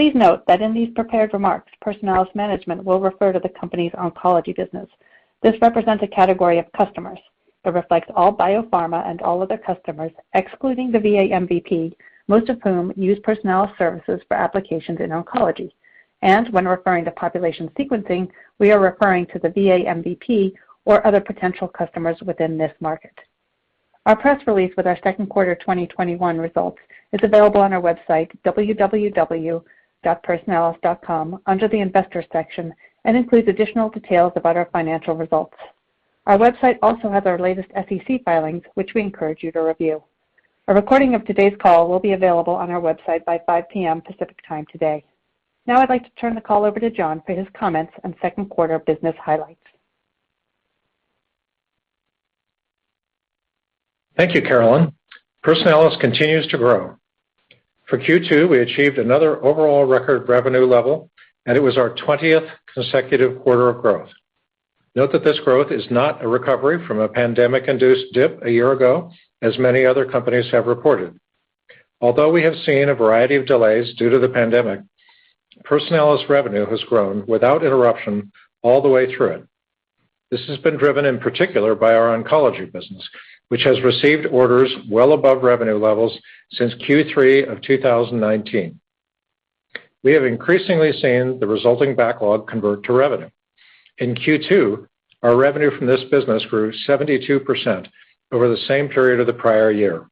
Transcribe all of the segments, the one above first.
Please note that in these prepared remarks, Personalis' management will refer to the company's oncology business. This represents a category of customers that reflects all biopharma and all other customers, excluding the VA MVP, most of whom use Personalis services for applications in oncology. When referring to population sequencing, we are referring to the VA MVP or other potential customers within this market. Our press release with our second quarter 2021 results is available on our website, www.personalis.com, under the investor section and includes additional details about our financial results. Our website also has our latest SEC filings, which we encourage you to review. A recording of today's call will be available on our website by 5:00 P.M. Pacific Time today. I'd like to turn the call over to John for his comments on second quarter business highlights. Thank you, Caroline. Personalis continues to grow. For Q2, we achieved another overall record revenue level, and it was our 20th consecutive quarter of growth. Note that this growth is not a recovery from a pandemic-induced dip a year ago, as many other companies have reported. Although we have seen a variety of delays due to the pandemic, Personalis revenue has grown without interruption all the way through it. This has been driven in particular by our oncology business, which has received orders well above revenue levels since Q3 of 2019. We have increasingly seen the resulting backlog convert to revenue. In Q2, our revenue from this business grew 72% over the same period of the prior year.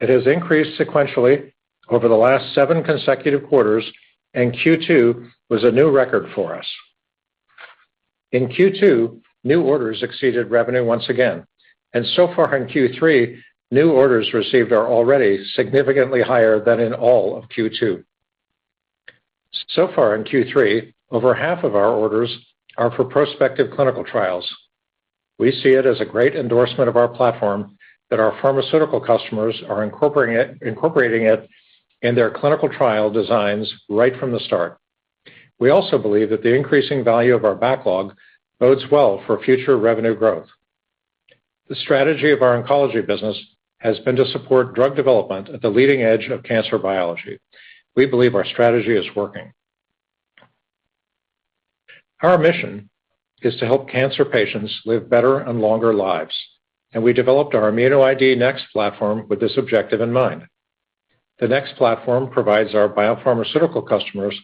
It has increased sequentially over the last seven consecutive quarters, and Q2 was a new record for us. In Q2, new orders exceeded revenue once again, and so far in Q3, new orders received are already significantly higher than in all of Q2. So far in Q3, over half of our orders are for prospective clinical trials. We see it as a great endorsement of our platform that our pharmaceutical customers are incorporating it in their clinical trial designs right from the start. We also believe that the increasing value of our backlog bodes well for future revenue growth. The strategy of our oncology business has been to support drug development at the leading edge of cancer biology. We believe our strategy is working. Our mission is to help cancer patients live better and longer lives, and we developed our ImmunoID NeXT platform with this objective in mind. The NeXT platform provides our biopharmaceutical customers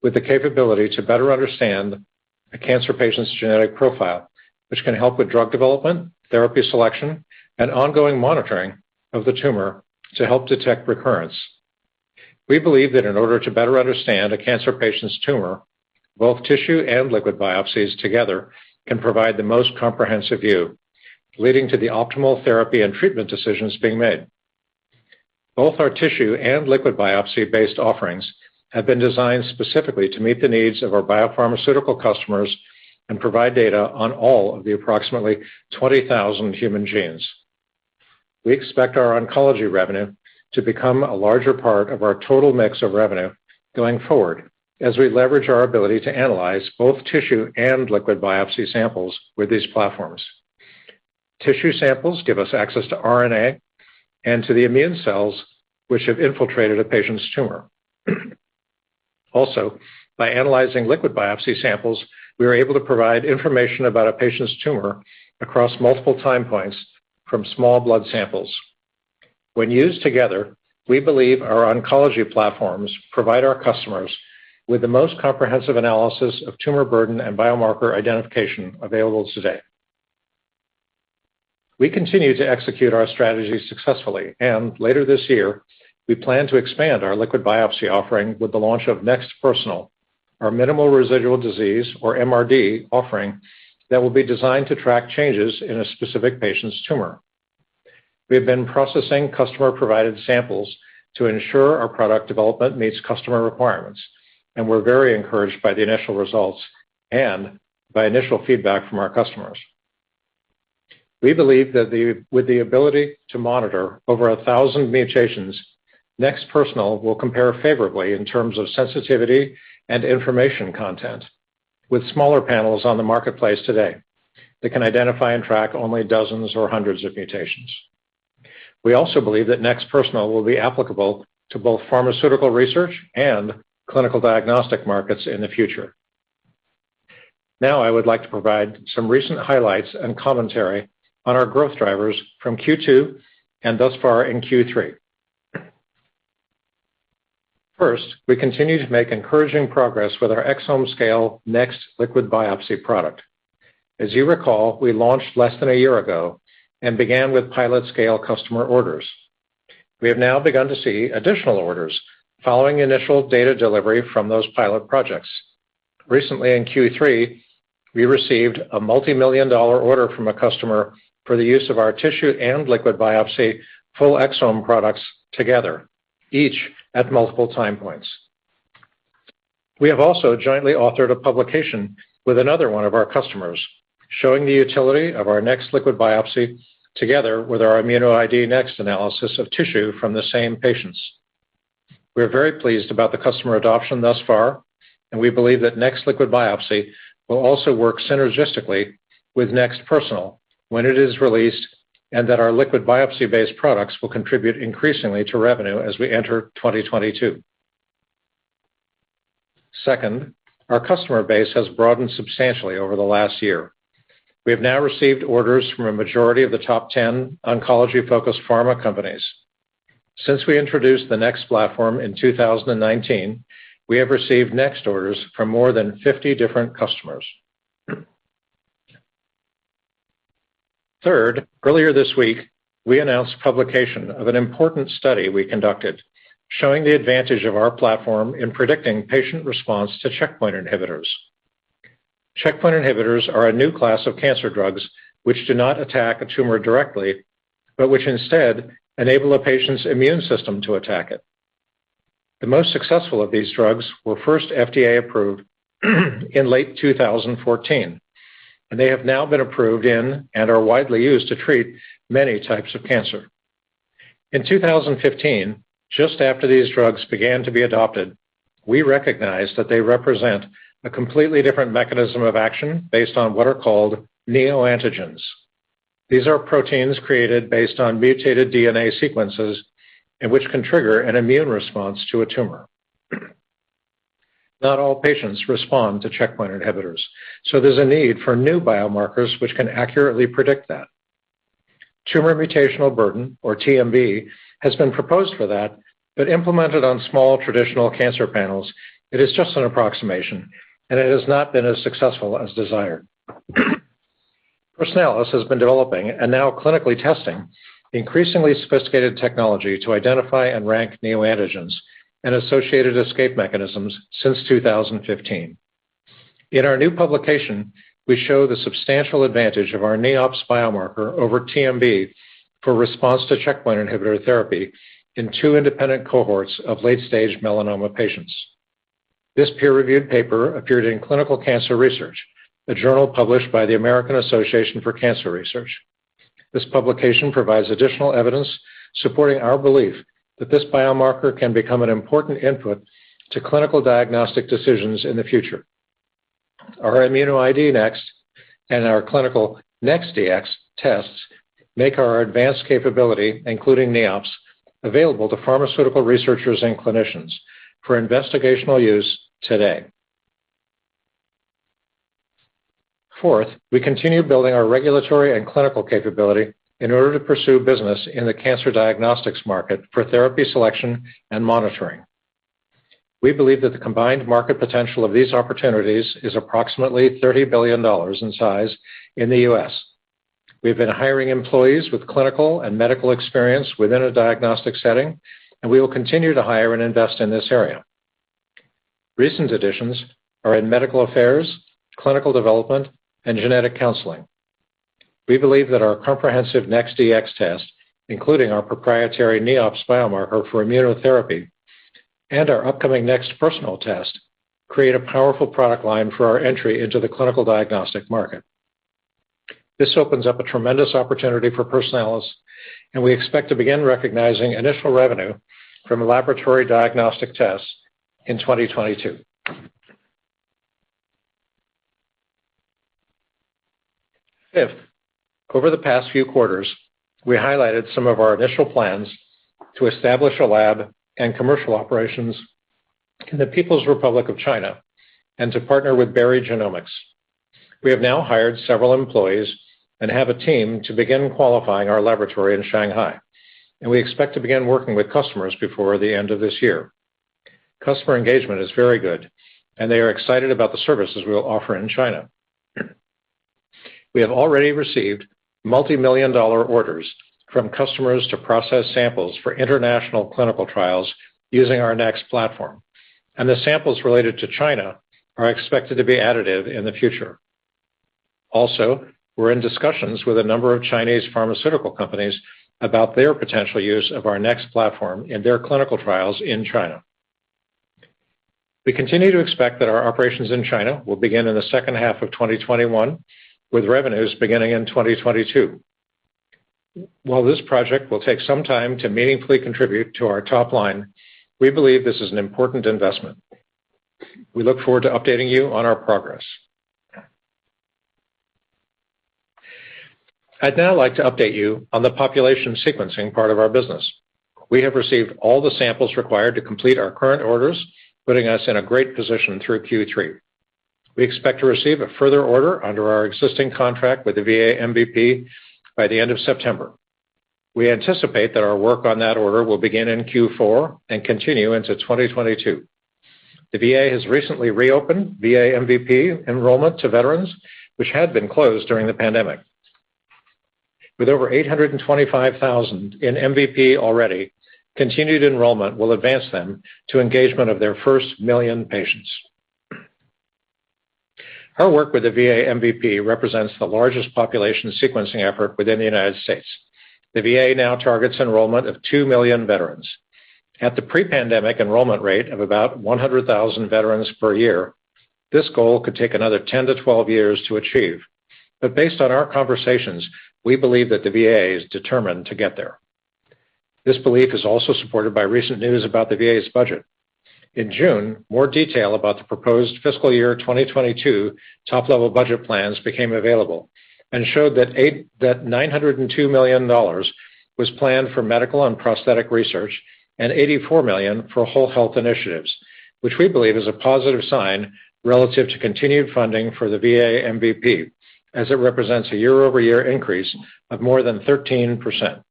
with the capability to better understand a cancer patient's genetic profile, which can help with drug development, therapy selection, and ongoing monitoring of the tumor to help detect recurrence. We believe that in order to better understand a cancer patient's tumor, both tissue and liquid biopsies together can provide the most comprehensive view, leading to the optimal therapy and treatment decisions being made. Both our tissue and liquid biopsy-based offerings have been designed specifically to meet the needs of our biopharmaceutical customers and provide data on all of the approximately 20,000 human genes. We expect our oncology revenue to become a larger part of our total mix of revenue going forward as we leverage our ability to analyze both tissue and liquid biopsy samples with these platforms. Tissue samples give us access to RNA and to the immune cells which have infiltrated a patient's tumor. Also, by analyzing liquid biopsy samples, we are able to provide information about a patient's tumor across multiple time points from small blood samples. When used together, we believe our oncology platforms provide our customers with the most comprehensive analysis of tumor burden and biomarker identification available today. We continue to execute our strategy successfully, and later this year, we plan to expand our liquid biopsy offering with the launch of NeXT Personal, our minimal residual disease, or MRD, offering that will be designed to track changes in a specific patient's tumor. We have been processing customer-provided samples to ensure our product development meets customer requirements, and we're very encouraged by the initial results and by initial feedback from our customers. We believe that with the ability to monitor over 1,000 mutations, NeXT Personal will compare favorably in terms of sensitivity and information content with smaller panels on the marketplace today that can identify and track only dozens or hundreds of mutations. We also believe that NeXT Personal will be applicable to both pharmaceutical research and clinical diagnostic markets in the future. I would like to provide some recent highlights and commentary on our growth drivers from Q2 and thus far in Q3. We continue to make encouraging progress with our exome scale NeXT liquid biopsy product. You recall, we launched less than a year ago and began with pilot scale customer orders. We have now begun to see additional orders following initial data delivery from those pilot projects. Recently in Q3, we received a multi-million dollar order from a customer for the use of our tissue and liquid biopsy full exome products together, each at multiple time points. We have also jointly authored a publication with another one of our customers showing the utility of our NeXT liquid biopsy together with our ImmunoID NeXT analysis of tissue from the same patients. We are very pleased about the customer adoption thus far. We believe that NeXT liquid biopsy will also work synergistically with NeXT Personal when it is released, and that our liquid biopsy-based products will contribute increasingly to revenue as we enter 2022. Second, our customer base has broadened substantially over the last year. We have now received orders from a majority of the top 10 oncology-focused pharma companies. Since we introduced the NeXT platform in 2019, we have received NeXT orders from more than 50 different customers. Third, earlier this week, we announced publication of an important study we conducted, showing the advantage of our platform in predicting patient response to checkpoint inhibitors. Checkpoint inhibitors are a new class of cancer drugs which do not attack a tumor directly, but which instead enable a patient's immune system to attack it. The most successful of these drugs were first FDA approved in late 2014, and they have now been approved in, and are widely used to treat many types of cancer. In 2015, just after these drugs began to be adopted, we recognized that they represent a completely different mechanism of action based on what are called neoantigens. These are proteins created based on mutated DNA sequences, and which can trigger an immune response to a tumor. Not all patients respond to checkpoint inhibitors, so there's a need for new biomarkers which can accurately predict that. Tumor mutational burden, or TMB, has been proposed for that, but implemented on small traditional cancer panels, it is just an approximation, and it has not been as successful as desired. Personalis has been developing and now clinically testing increasingly sophisticated technology to identify and rank neoantigens and associated escape mechanisms since 2015. In our new publication, we show the substantial advantage of our NEOPS biomarker over TMB for response to checkpoint inhibitor therapy in two independent cohorts of late-stage melanoma patients. This peer-reviewed paper appeared in "Clinical Cancer Research," a journal published by the American Association for Cancer Research. This publication provides additional evidence supporting our belief that this biomarker can become an important input to clinical diagnostic decisions in the future. Our ImmunoID NeXT and our clinical NeXT Dx tests make our advanced capability, including NEOPS, available to pharmaceutical researchers and clinicians for investigational use today. Fourth, we continue building our regulatory and clinical capability in order to pursue business in the cancer diagnostics market for therapy selection and monitoring. We believe that the combined market potential of these opportunities is approximately $30 billion in size in the U.S. We have been hiring employees with clinical and medical experience within a diagnostic setting, and we will continue to hire and invest in this area. Recent additions are in medical affairs, clinical development, and genetic counseling. We believe that our comprehensive NeXT Dx tests, including our proprietary NEOPS biomarker for immunotherapy and our upcoming NeXT Personal test, create a powerful product line for our entry into the clinical diagnostic market. This opens up a tremendous opportunity for Personalis, and we expect to begin recognizing initial revenue from laboratory diagnostic tests in 2022. Fifth, over the past few quarters, we highlighted some of our initial plans to establish a lab and commercial operations in the People's Republic of China and to partner with Berry Genomics. We have now hired several employees and have a team to begin qualifying our laboratory in Shanghai, and we expect to begin working with customers before the end of this year. Customer engagement is very good, and they are excited about the services we will offer in China. We have already received multimillion-dollar orders from customers to process samples for international clinical trials using our NeXT platform, and the samples related to China are expected to be additive in the future. Also, we're in discussions with a number of Chinese pharmaceutical companies about their potential use of our NeXT platform in their clinical trials in China. We continue to expect that our operations in China will begin in the second half of 2021, with revenues beginning in 2022. While this project will take some time to meaningfully contribute to our top line, we believe this is an important investment. We look forward to updating you on our progress. I'd now like to update you on the population sequencing part of our business. We have received all the samples required to complete our current orders, putting us in a great position through Q3. We expect to receive a further order under our existing contract with the VA MVP by the end of September. We anticipate that our work on that order will begin in Q4 and continue into 2022. The VA has recently reopened VA MVP enrollment to veterans, which had been closed during the pandemic. With over 825,000 in MVP already, continued enrollment will advance them to engagement of their first million patients. Our work with the VA MVP represents the largest population sequencing effort within the U.S. The VA now targets enrollment of 2 million veterans. At the pre-pandemic enrollment rate of about 100,000 veterans per year, this goal could take another 10 to 12 years to achieve. Based on our conversations, we believe that the VA is determined to get there. This belief is also supported by recent news about the VA's budget. In June, more detail about the proposed fiscal year 2022 top-level budget plans became available and showed that $902 million was planned for medical and prosthetic research and $84 million for whole health initiatives, which we believe is a positive sign relative to continued funding for the VA MVP, as it represents a year-over-year increase of more than 13%.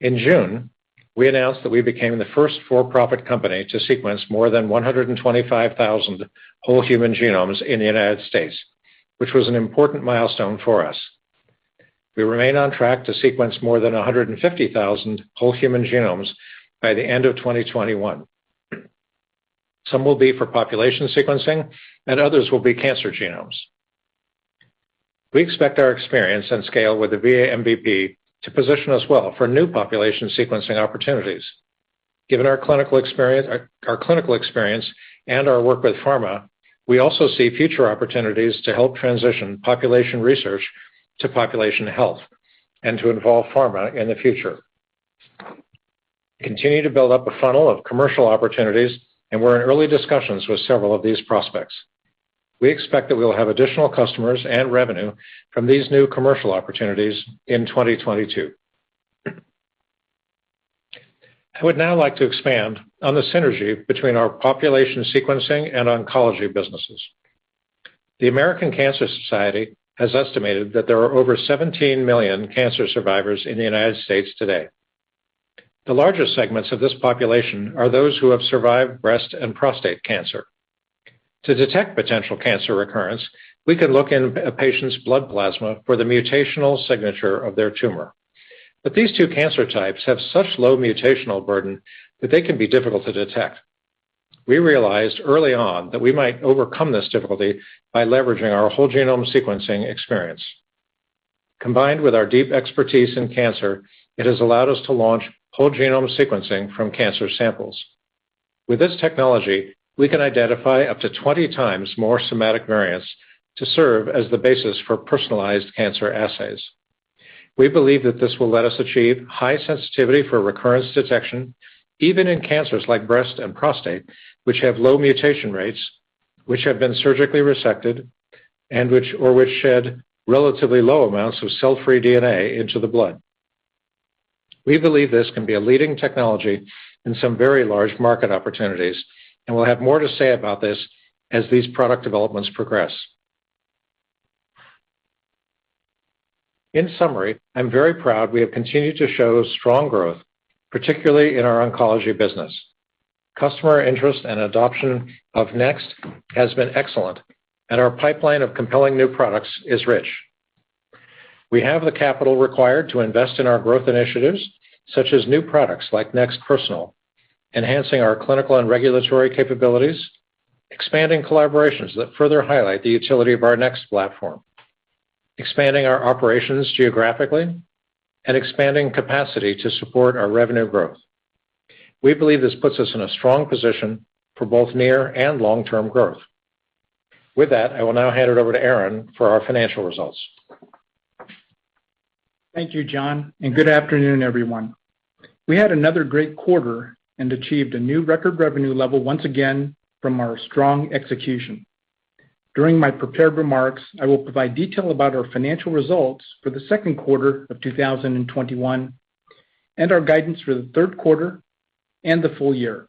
In June, we announced that we became the first for-profit company to sequence more than 125,000 whole human genomes in the United States, which was an important milestone for us. We remain on track to sequence more than 150,000 whole human genomes by the end of 2021. Some will be for population sequencing and others will be cancer genomes. We expect our experience and scale with the VA MVP to position us well for new population sequencing opportunities. Given our clinical experience and our work with pharma, we also see future opportunities to help transition population research to population health and to involve pharma in the future. We continue to build up a funnel of commercial opportunities, and we're in early discussions with several of these prospects. We expect that we will have additional customers and revenue from these new commercial opportunities in 2022. I would now like to expand on the synergy between our population sequencing and oncology businesses. The American Cancer Society has estimated that there are over 17 million cancer survivors in the United States today. The largest segments of this population are those who have survived breast and prostate cancer. To detect potential cancer recurrence, we can look in a patient's blood plasma for the mutational signature of their tumor. These two cancer types have such low mutational burden that they can be difficult to detect. We realized early on that we might overcome this difficulty by leveraging our whole genome sequencing experience. Combined with our deep expertise in cancer, it has allowed us to launch whole genome sequencing from cancer samples. With this technology, we can identify up to 20 times more somatic variants to serve as the basis for personalized cancer assays. We believe that this will let us achieve high sensitivity for recurrence detection, even in cancers like breast and prostate, which have low mutation rates, which have been surgically resected, or which shed relatively low amounts of cell-free DNA into the blood. We believe this can be a leading technology in some very large market opportunities, and we'll have more to say about this as these product developments progress. In summary, I'm very proud we have continued to show strong growth, particularly in our oncology business. Customer interest and adoption of NeXT has been excellent, and our pipeline of compelling new products is rich. We have the capital required to invest in our growth initiatives, such as new products like NeXT Personal, enhancing our clinical and regulatory capabilities, expanding collaborations that further highlight the utility of our NeXT platform, expanding our operations geographically, and expanding capacity to support our revenue growth. We believe this puts us in a strong position for both near and long-term growth. With that, I will now hand it over to Aaron for our financial results. Thank you, John. Good afternoon, everyone. We had another great quarter and achieved a new record revenue level once again from our strong execution. During my prepared remarks, I will provide detail about our financial results for the second quarter of 2021 and our guidance for the third quarter and the full year.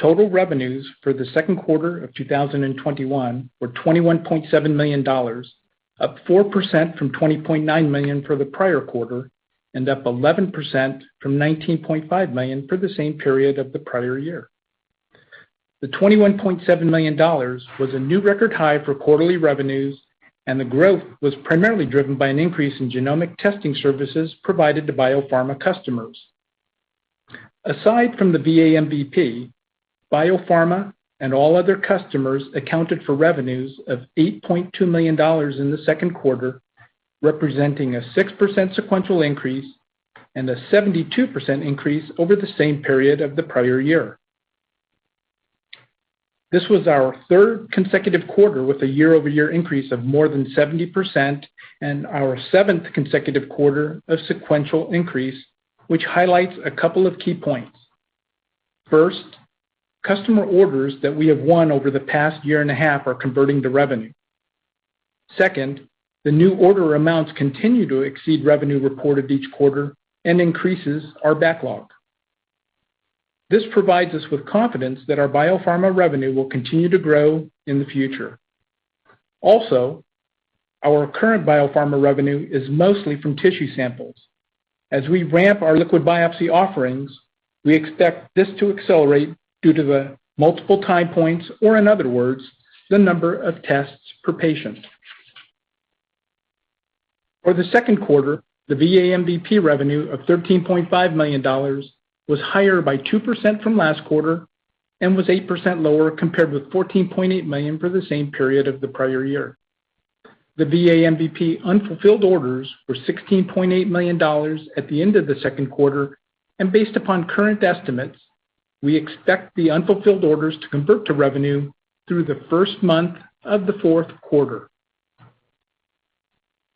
Total revenues for the second quarter of 2021 were $21.7 million, up 4% from $20.9 million for the prior quarter, and up 11% from $19.5 million for the same period of the prior year. The $21.7 million was a new record high for quarterly revenues, and the growth was primarily driven by an increase in genomic testing services provided to biopharma customers. Aside from the VA MVP, biopharma and all other customers accounted for revenues of $8.2 million in the Q2, representing a 6% sequential increase and a 72% increase over the same period of the prior year. This was our third consecutive quarter with a year-over-year increase of more than 70% and our seventh consecutive quarter of sequential increase, which highlights a couple of key points. First, customer orders that we have won over the past 1.5 years are converting to revenue. Second, the new order amounts continue to exceed revenue reported each quarter and increases our backlog. This provides us with confidence that our biopharma revenue will continue to grow in the future. Also, our current biopharma revenue is mostly from tissue samples. As we ramp our liquid biopsy offerings, we expect this to accelerate due to the multiple time points, or in other words, the number of tests per patient. For the second quarter, the VA MVP revenue of $13.5 million was higher by 2% from last quarter and was 8% lower compared with $14.8 million for the same period of the prior year. The VA MVP unfulfilled orders were $16.8 million at the end of the second quarter. Based upon current estimates, we expect the unfulfilled orders to convert to revenue through the first month of the fourth quarter.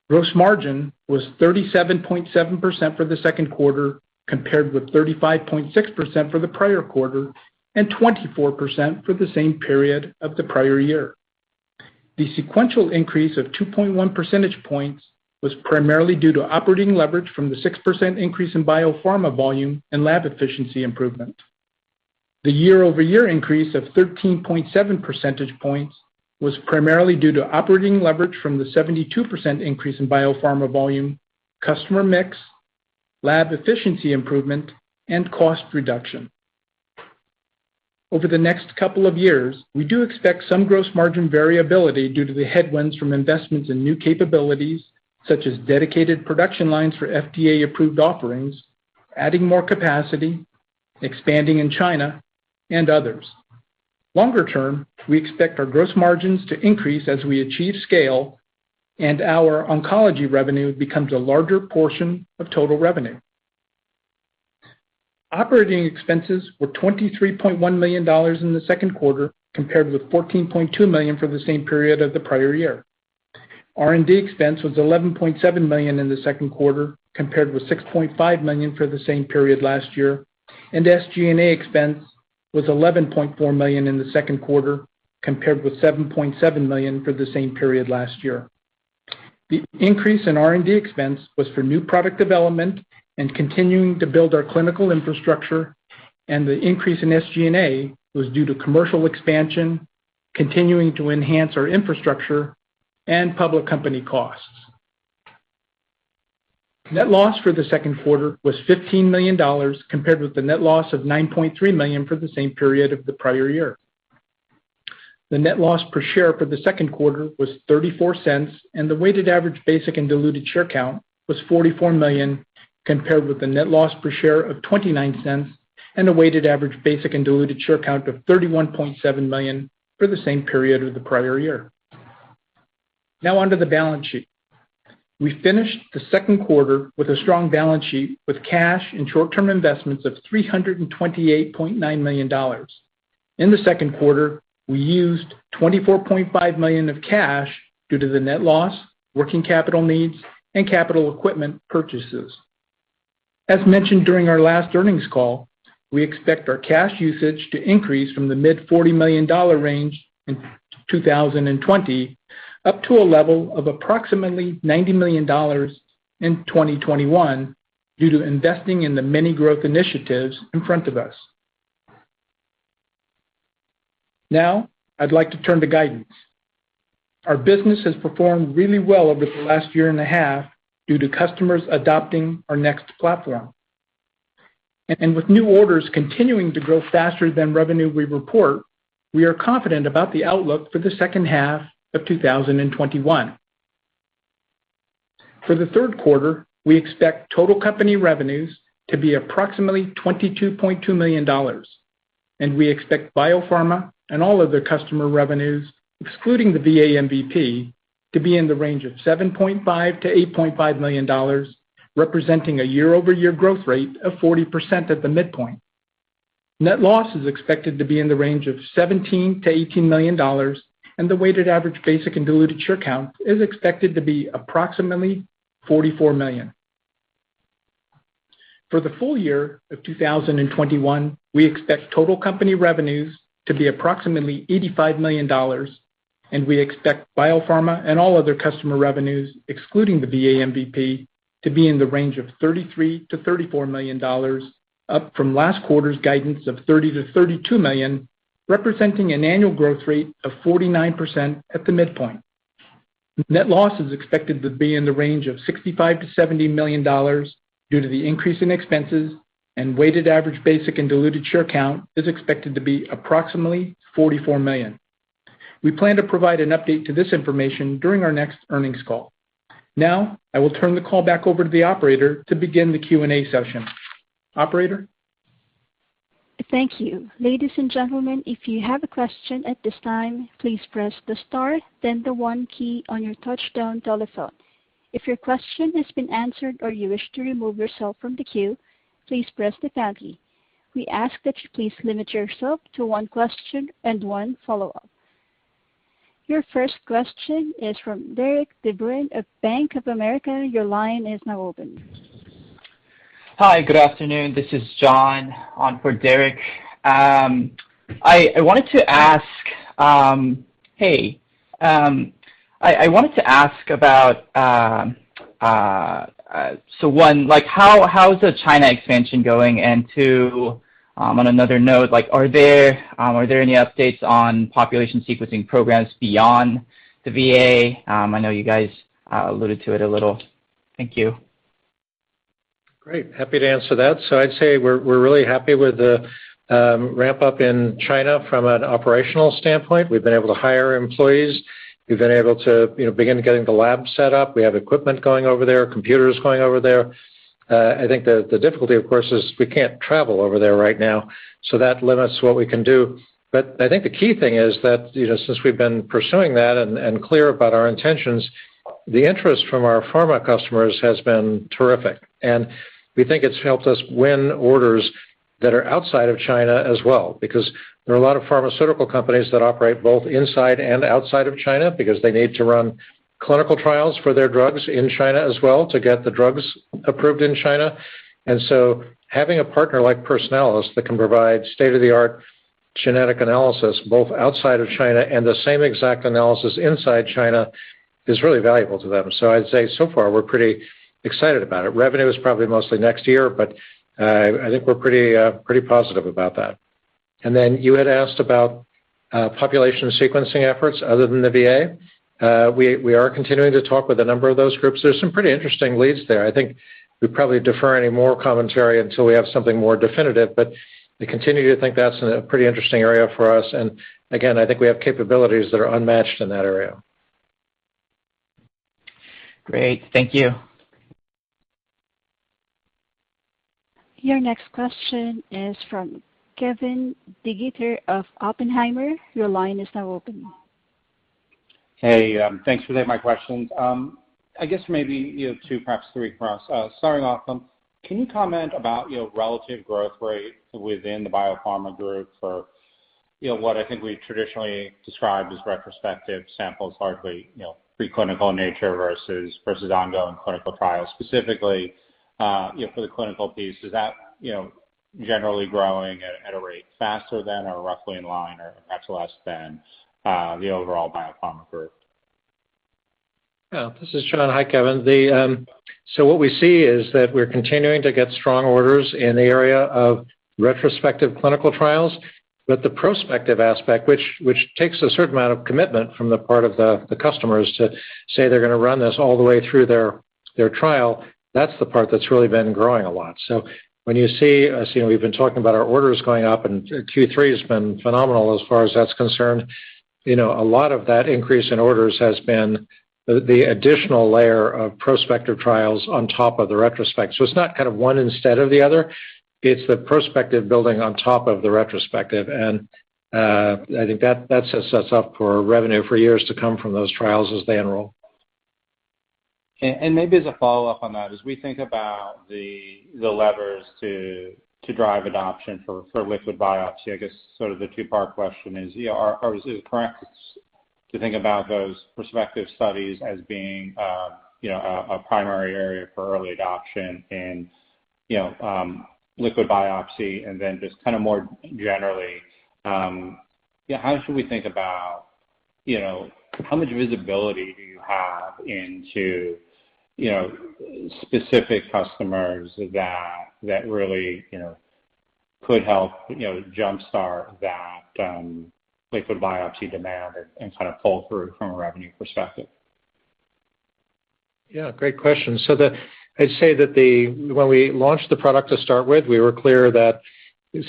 Gross margin was 37.7% for the second quarter, compared with 35.6% for the prior quarter and 24% for the same period of the prior year. The sequential increase of 2.1 percentage points was primarily due to operating leverage from the 6% increase in biopharma volume and lab efficiency improvement. The year-over-year increase of 13.7 percentage points was primarily due to operating leverage from the 72% increase in biopharma volume, customer mix, lab efficiency improvement, and cost reduction. Over the next couple of years, we do expect some gross margin variability due to the headwinds from investments in new capabilities, such as dedicated production lines for FDA-approved offerings, adding more capacity, expanding in China, and others. Longer term, we expect our gross margins to increase as we achieve scale and our oncology revenue becomes a larger portion of total revenue. Operating expenses were $23.1 million in the second quarter, compared with $14.2 million for the same period of the prior year. R&D expense was $11.7 million in the second quarter, compared with $6.5 million for the same period last year, and SG&A expense was $11.4 million in the second quarter, compared with $7.7 million for the same period last year. The increase in R&D expense was for new product development and continuing to build our clinical infrastructure, and the increase in SG&A was due to commercial expansion, continuing to enhance our infrastructure, and public company costs. Net loss for the second quarter was $15 million, compared with the net loss of $9.3 million for the same period of the prior year. The net loss per share for the second quarter was $0.34, and the weighted average basic and diluted share count was 44 million, compared with the net loss per share of $0.29 and a weighted average basic and diluted share count of 31.7 million for the same period of the prior year. Now, on to the balance sheet. We finished the second quarter with a strong balance sheet, with cash and short-term investments of $328.9 million. In the second quarter, we used $24.5 million of cash due to the net loss, working capital needs, and capital equipment purchases. As mentioned during our last earnings call, we expect our cash usage to increase from the mid $40 million range in 2020 up to a level of approximately $90 million in 2021 due to investing in the many growth initiatives in front of us. I'd like to turn to guidance. Our business has performed really well over the last year and a half due to customers adopting our NeXT platform. With new orders continuing to grow faster than revenue we report, we are confident about the outlook for the second half of 2021. For the third quarter, we expect total company revenues to be approximately $22.2 million, and we expect biopharma and all other customer revenues, excluding the VA MVP, to be in the range of $7.5 million-$8.5 million, representing a year-over-year growth rate of 40% at the midpoint. Net loss is expected to be in the range of $17 million-$18 million, and the weighted average basic and diluted share count is expected to be approximately 44 million. For the full year of 2021, we expect total company revenues to be approximately $85 million, and we expect biopharma and all other customer revenues, excluding the VA MVP, to be in the range of $33 million-$34 million, up from last quarter's guidance of $30 million-$32 million, representing an annual growth rate of 49% at the midpoint. Net loss is expected to be in the range of $65 million-$70 million, due to the increase in expenses, and weighted average basic and diluted share count is expected to be approximately 44 million. We plan to provide an update to this information during our next earnings call. Now, I will turn the call back over to the operator to begin the Q&A session. Operator? Thank you. Ladies and gentlemen, if you have a question at this time, please press the star, then the one key on your touchtone telephone. If your question has been answered or you wish to remove yourself from the queue, please press the pound key. We ask that you please limit yourself to one question and one follow-up. Your first question is from Derik De Bruin of Bank of America. Your line is now open. Hi, good afternoon. This is John on for Derik. I wanted to ask about, one, how's the China expansion going? Two, on another note, are there any updates on population sequencing programs beyond the VA? I know you guys alluded to it a little. Thank you. Great. Happy to answer that. I'd say we're really happy with the ramp-up in China from an operational standpoint. We've been able to hire employees. We've been able to begin getting the lab set up. We have equipment going over there, computers going over there. I think the difficulty, of course, is we can't travel over there right now, so that limits what we can do. I think the key thing is that since we've been pursuing that and clear about our intentions The interest from our pharma customers has been terrific, and we think it's helped us win orders that are outside of China as well, because there are a lot of pharmaceutical companies that operate both inside and outside of China because they need to run clinical trials for their drugs in China as well to get the drugs approved in China. Having a partner like Personalis that can provide state-of-the-art genetic analysis both outside of China and the same exact analysis inside China is really valuable to them. I'd say so far we're pretty excited about it. Revenue is probably mostly next year, but I think we're pretty positive about that. You had asked about population sequencing efforts other than the VA. We are continuing to talk with a number of those groups. There's some pretty interesting leads there. I think we'd probably defer any more commentary until we have something more definitive. We continue to think that's a pretty interesting area for us. Again, I think we have capabilities that are unmatched in that area. Great. Thank you. Your next question is from Kevin DeGeeter of Oppenheimer. Your line is now open. Hey, thanks for taking my questions. I guess maybe you have two, perhaps three for us. Can you comment about your relative growth rate within the biopharma group for what I think we've traditionally described as retrospective samples, partly, preclinical nature versus ongoing clinical trials? Specifically, for the clinical piece, is that generally growing at a rate faster than or roughly in line or perhaps less than the overall biopharma group? Yeah, this is John. Hi, Kevin. What we see is that we're continuing to get strong orders in the area of retrospective clinical trials, but the prospective aspect, which takes a certain amount of commitment from the part of the customers to say they're going to run this all the way through their trial, that's the part that's really been growing a lot. When you see, as we've been talking about our orders going up and Q3 has been phenomenal as far as that's concerned, a lot of that increase in orders has been the additional layer of prospective trials on top of the retrospect. It's not one instead of the other, it's the prospective building on top of the retrospective, and I think that sets us up for revenue for years to come from those trials as they enroll. Maybe as a follow-up on that, as we think about the levers to drive adoption for liquid biopsy, I guess sort of the two-part question is it correct to think about those prospective studies as being a primary area for early adoption and liquid biopsy? Just more generally, how should we think about how much visibility do you have into specific customers that really could help jumpstart that liquid biopsy demand and kind of pull through from a revenue perspective? Yeah, great question. I'd say that when we launched the product to start with, we were clear that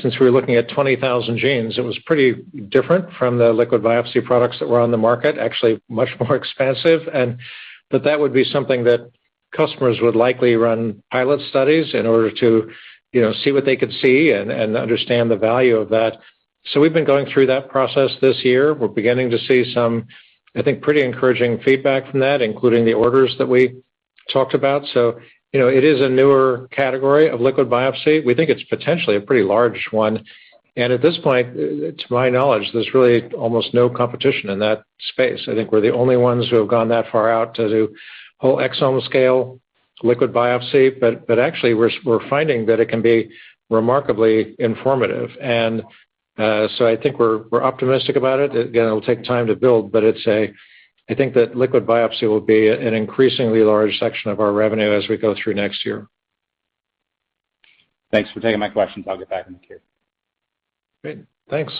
since we were looking at 20,000 genes, it was pretty different from the liquid biopsy products that were on the market, actually much more expensive, and that that would be something that customers would likely run pilot studies in order to see what they could see and understand the value of that. We've been going through that process this year. We're beginning to see some, I think, pretty encouraging feedback from that, including the orders that we talked about. It is a newer category of liquid biopsy. We think it's potentially a pretty large one, and at this point, to my knowledge, there's really almost no competition in that space. I think we're the only ones who have gone that far out to do whole exome-scale liquid biopsy. Actually, we're finding that it can be remarkably informative. I think we're optimistic about it. Again, it'll take time to build, but I think that liquid biopsy will be an increasingly large section of our revenue as we go through next year. Thanks for taking my questions. I'll get back in queue. Great. Thanks.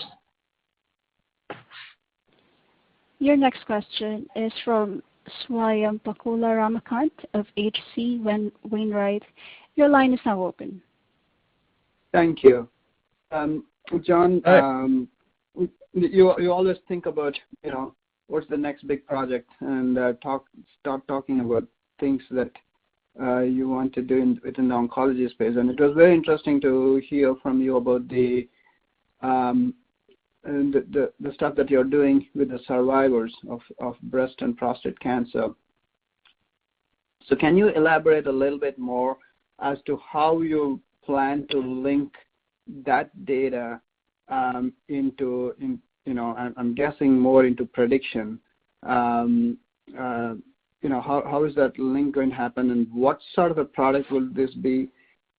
Your next question is from Swayampakula Ramakanth of H.C. Wainwright. Your line is now open. Thank you. John. Hi. You always think about what's the next big project and start talking about things that you want to do in the oncology space. It was very interesting to hear from you about the stuff that you're doing with the survivors of breast and prostate cancer. Can you elaborate a little bit more as to how you plan to link that data into, I'm guessing more into prediction. How is that link going to happen, and what sort of a product will this be?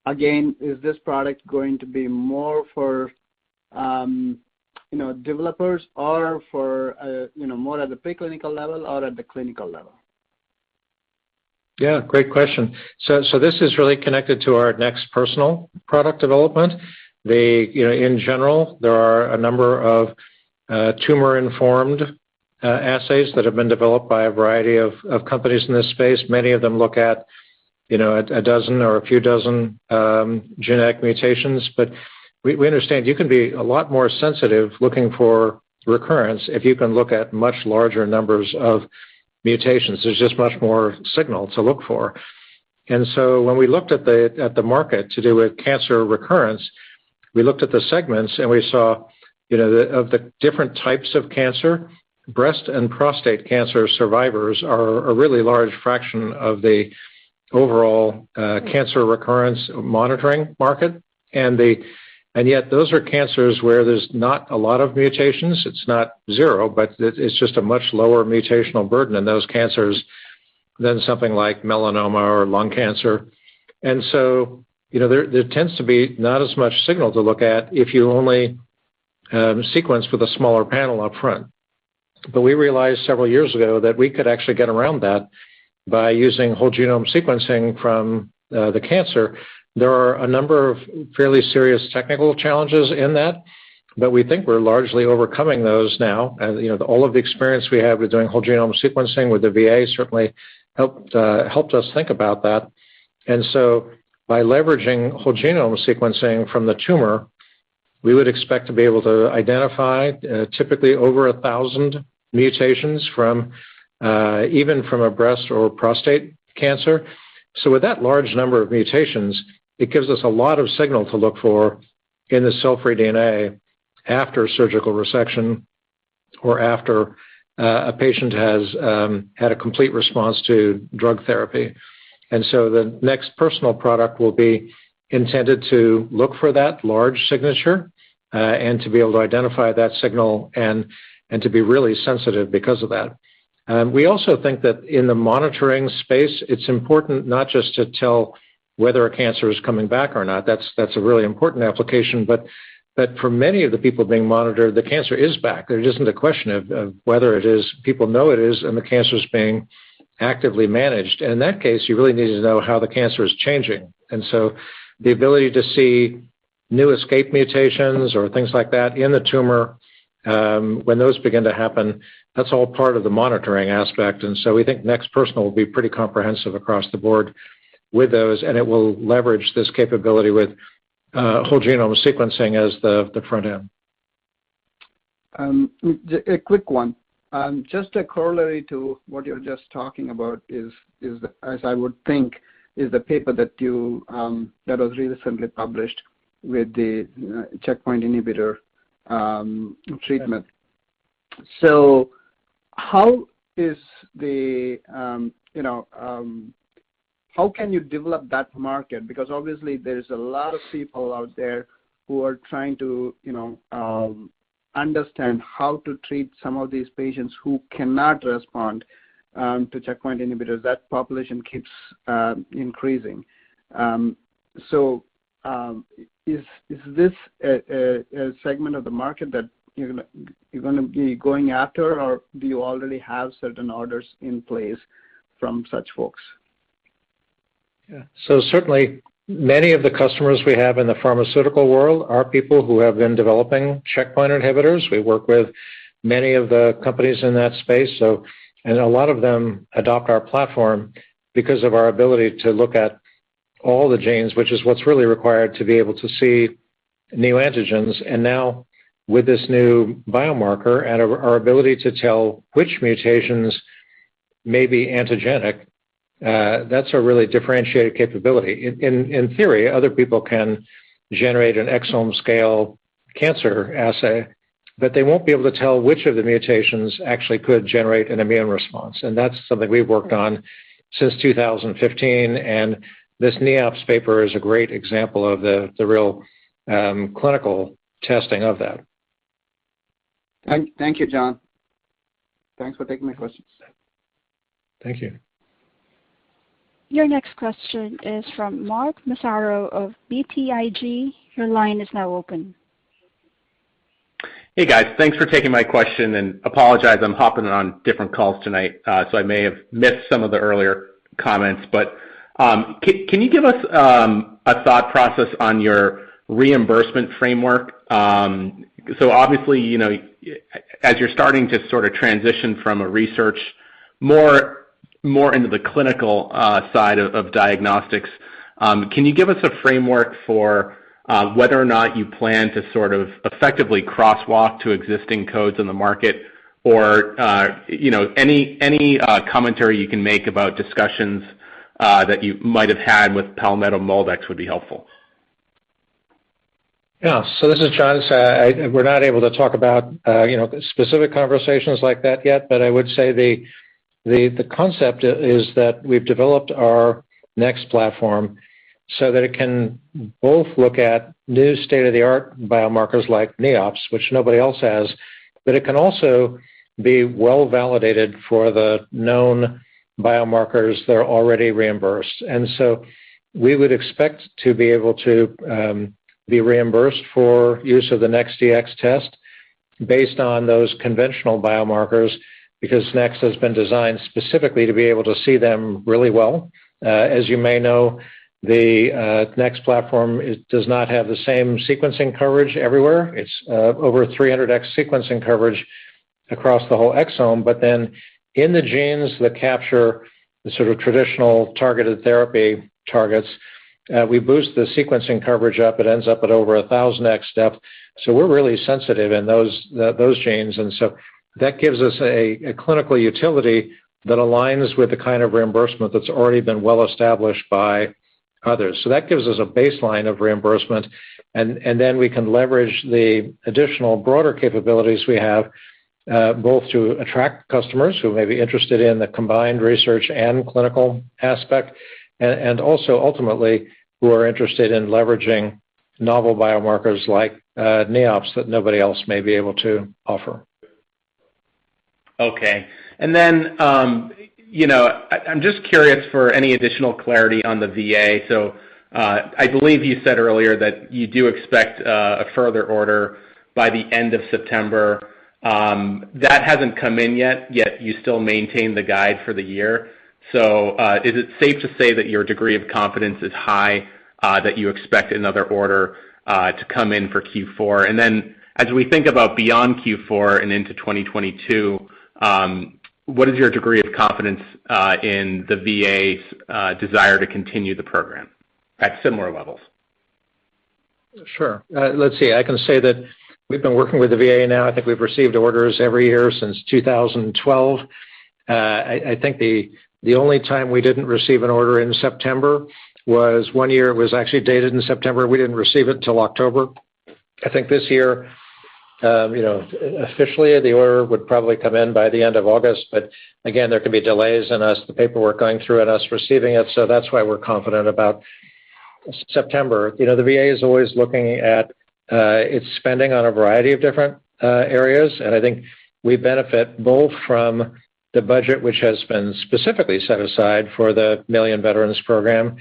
Again, is this product going to be more for developers or more at the preclinical level or at the clinical level? Yeah, great question. This is really connected to our NeXT Personal product development. In general, there are a number of tumor-informed assays that have been developed by a variety of companies in this space. Many of them look at a dozen or a few dozen genetic mutations. We understand you can be a lot more sensitive looking for recurrence if you can look at much larger numbers of mutations. There's just much more signal to look for. When we looked at the market to do with cancer recurrence, we looked at the segments and we saw of the different types of cancer, breast and prostate cancer survivors are a really large fraction of the overall cancer recurrence monitoring market. Yet those are cancers where there's not a lot of mutations. It's not zero, but it's just a much lower mutational burden in those cancers than something like melanoma or lung cancer. There tends to be not as much signal to look at if you only sequence with a smaller panel up front. We realized several years ago that we could actually get around that by using whole genome sequencing from the cancer. There are a number of fairly serious technical challenges in that, but we think we're largely overcoming those now. All of the experience we have with doing whole genome sequencing with the VA certainly helped us think about that. By leveraging whole genome sequencing from the tumor, we would expect to be able to identify typically over 1,000 mutations even from a breast or prostate cancer. With that large number of mutations, it gives us a lot of signal to look for in the cell-free DNA after surgical resection or after a patient has had a complete response to drug therapy. The NeXT Personal product will be intended to look for that large signature, and to be able to identify that signal and to be really sensitive because of that. We also think that in the monitoring space, it's important not just to tell whether a cancer is coming back or not. That's a really important application, but for many of the people being monitored, the cancer is back. It isn't a question of whether it is. People know it is, and the cancer's being actively managed. In that case, you really need to know how the cancer is changing. The ability to see new escape mutations or things like that in the tumor, when those begin to happen, that's all part of the monitoring aspect. We think NeXT Personal will be pretty comprehensive across the board with those, and it will leverage this capability with whole genome sequencing as the front end. A quick one. Just a corollary to what you're just talking about is, as I would think, the paper that was really simply published with the checkpoint inhibitor treatment. Yeah. How can you develop that market? Obviously there's a lot of people out there who are trying to understand how to treat some of these patients who cannot respond to checkpoint inhibitors. That population keeps increasing. Is this a segment of the market that you're going to be going after, or do you already have certain orders in place from such folks? Certainly, many of the customers we have in the pharmaceutical world are people who have been developing checkpoint inhibitors. We work with many of the companies in that space, and a lot of them adopt our platform because of our ability to look at all the genes, which is what's really required to be able to see neoantigens. Now with this new biomarker and our ability to tell which mutations may be antigenic, that's a really differentiated capability. In theory, other people can generate an exome scale cancer assay, but they won't be able to tell which of the mutations actually could generate an immune response, and that's something we've worked on since 2015, and this NEOPS paper is a great example of the real clinical testing of that. Thank you, John. Thanks for taking my questions. Thank you. Your next question is from Mark Massaro of BTIG. Your line is now open. Hey, guys. Thanks for taking my question, and apologize, I'm hopping on different calls tonight, so I may have missed some of the earlier comments. Can you give us a thought process on your reimbursement framework? As you're starting to sort of transition from a research more into the clinical side of diagnostics, can you give us a framework for whether or not you plan to sort of effectively crosswalk to existing codes in the market or, any commentary you can make about discussions that you might have had with Palmetto MolDX would be helpful. Yeah. This is John. We're not able to talk about specific conversations like that yet, but I would say the concept is that we've developed our NeXT platform so that it can both look at new state-of-the-art biomarkers like NEOPS, which nobody else has, but it can also be well-validated for the known biomarkers that are already reimbursed. We would expect to be able to be reimbursed for use of the NeXT Dx test based on those conventional biomarkers, because NeXT has been designed specifically to be able to see them really well. As you may know, the NeXT platform does not have the same sequencing coverage everywhere. It's over 300X sequencing coverage across the whole exome. In the genes that capture the sort of traditional targeted therapy targets, we boost the sequencing coverage up, it ends up at over 1,000x depth. We're really sensitive in those genes, and so that gives us a clinical utility that aligns with the kind of reimbursement that's already been well established by others. That gives us a baseline of reimbursement, and then we can leverage the additional broader capabilities we have, both to attract customers who may be interested in the combined research and clinical aspect, and also ultimately who are interested in leveraging novel biomarkers like NEOPS that nobody else may be able to offer. Okay. I'm just curious for any additional clarity on the VA. I believe you said earlier that you do expect a further order by the end of September. That hasn't come in yet you still maintain the guide for the year. Is it safe to say that your degree of confidence is high, that you expect another order to come in for Q4? As we think about beyond Q4 and into 2022, what is your degree of confidence in the VA's desire to continue the program at similar levels? Sure. Let's see. I can say that we've been working with the VA now, I think we've received orders every year since 2012. I think the only time we didn't receive an order in September was one year, it was actually dated in September, we didn't receive it till October. I think this year, officially the order would probably come in by the end of August, but again, there could be delays in the paperwork going through and us receiving it, so that's why we're confident about September. The VA is always looking at its spending on a variety of different areas, and I think we benefit both from the budget, which has been specifically set aside for the Million Veteran Program.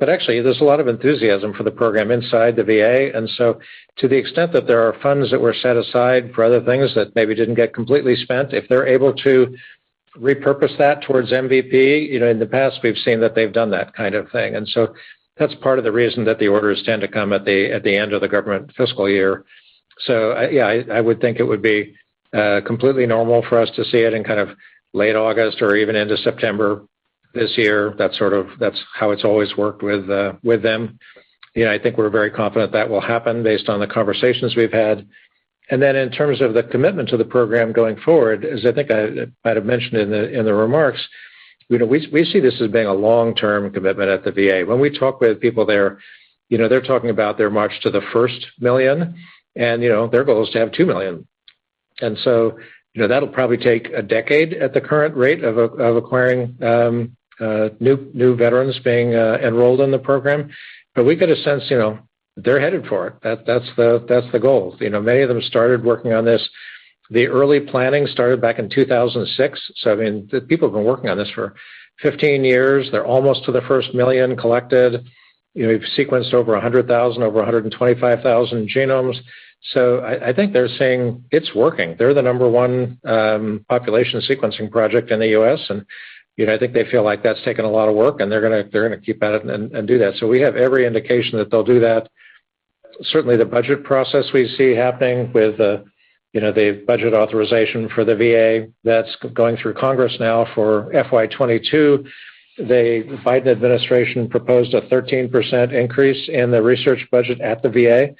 Actually, there's a lot of enthusiasm for the program inside the VA, and so to the extent that there are funds that were set aside for other things that maybe didn't get completely spent, if they're able to repurpose that towards MVP, in the past we've seen that they've done that kind of thing. That's part of the reason that the orders tend to come at the end of the government fiscal year. Yeah, I would think it would be completely normal for us to see it in kind of late August or even into September this year. That's how it's always worked with them. I think we're very confident that will happen based on the conversations we've had. In terms of the commitment to the program going forward, as I think I might have mentioned in the remarks, we see this as being a long-term commitment at the VA. When we talk with people there, they're talking about their march to the first million, and their goal is to have 2 million. That'll probably take a decade at the current rate of acquiring new veterans being enrolled in the program. We get a sense, they're headed for it. That's the goal. Many of them started working on this, the early planning started back in 2006. I mean, the people have been working on this for 15 years. They're almost to the first million collected. We've sequenced over 100,000, over 125,000 genomes. I think they're saying it's working. They're the number one population sequencing project in the U.S., and I think they feel like that's taken a lot of work, and they're going to keep at it and do that. We have every indication that they'll do that. Certainly, the budget process we see happening with the budget authorization for the VA, that's going through Congress now for FY 2022. The Biden administration proposed a 13% increase in the research budget at the VA,